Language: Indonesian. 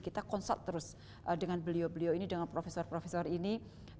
kita konsult terus dengan beliau beliau ini dengan profesor profesor ini